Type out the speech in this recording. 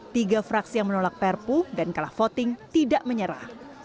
tiga fraksi yang menolak perpu dan kalah voting tidak menyerah